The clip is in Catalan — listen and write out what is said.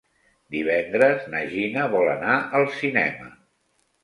Divendres na Gina vol anar al cinema.